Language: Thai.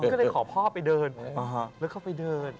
ก็เลยขอพ่อไปเดินแล้วก็ไปเดิน